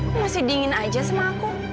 aku masih dingin aja sama aku